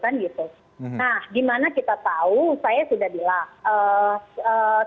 nah gimana kita tahu saya sudah bilang